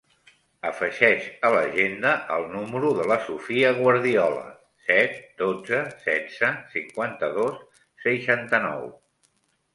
Afegeix a l'agenda el número de la Sofía Guardiola: set, dotze, setze, cinquanta-dos, seixanta-nou.